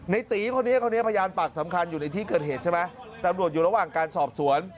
ตีคนนี้คนนี้พยานปากสำคัญอยู่ในที่เกิดเหตุใช่ไหมตำรวจอยู่ระหว่างการสอบสวน